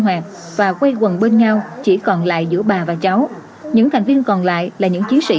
hoạt và quay quần bên nhau chỉ còn lại giữa bà và cháu những thành viên còn lại là những chiến sĩ